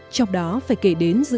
trong đó phải kể đến dự án